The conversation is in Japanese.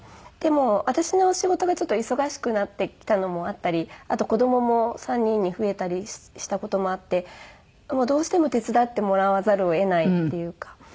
でも私の仕事がちょっと忙しくなってきたのもあったりあと子供も３人に増えたりした事もあってどうしても手伝ってもらわざるを得ないっていうか。